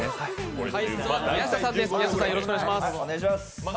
解説は宮下さんです。